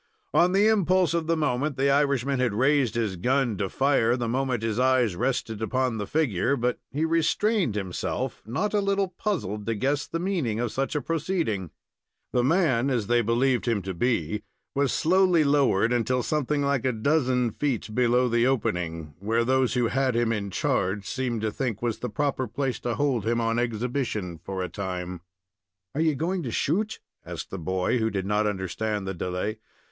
On the impulse of the moment, the Irishman had raised his gun to fire the moment his eyes rested upon the figure. But he restrained himself, not a little puzzled to guess the meaning of such a proceeding. The man, as they believed him to be, was slowly lowered, until something like a dozen feet below the opening, where those who had him in charge seemed to think was the proper place to hold him on exhibition for a time. "Are you going to shoot?" asked the boy, who did not understand the delay.